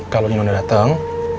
kalo nino udah dateng